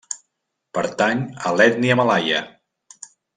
Pertany a l'ètnia malaia.